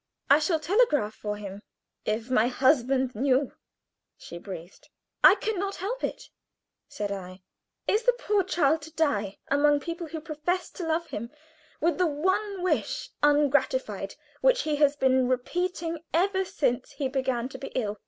"I shall telegraph for him." "If my husband knew!" she breathed. "I can not help it," said I. "Is the poor child to die among people who profess to love him, with the one wish ungratified which he has been repeating ever since he began to be ill?